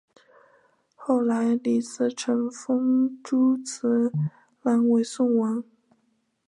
后来李自成封朱慈烺为宋王。